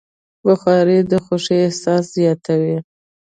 بخاري د خوښۍ احساس زیاتوي.